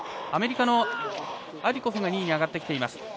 アメリカのアディコフが２位に上がってきています。